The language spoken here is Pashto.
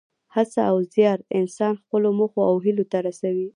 هڅه او زیار انسان خپلو موخو او هیلو ته رسوي.